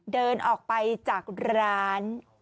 เดินออกไปจากร้าน